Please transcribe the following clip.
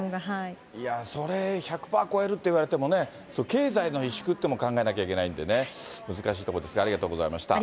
いや、それ、１００パー超えるって言われてもね、経済の萎縮というのも考えなきゃいけないんでね、難しいところでありがとうございました。